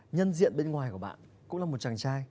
nhân diện bên ngoài của bạn cũng là một chàng trai